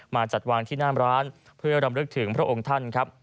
จัดวางที่หน้ามร้านเพื่อรำลึกถึงพระองค์ท่านครับ